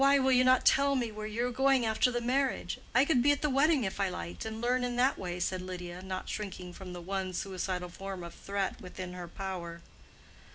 "Why will you not tell me where you are going after the marriage? I could be at the wedding if I liked, and learn in that way," said Lydia, not shrinking from the one suicidal form of threat within her power.